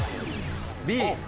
Ｂ。